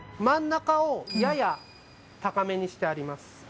真ん中をやや高めにしてあります。